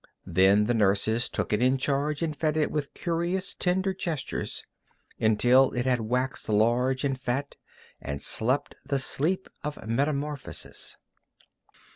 Then the nurses took it in charge and fed it with curious, tender gestures until it had waxed large and fat and slept the sleep of metamorphosis.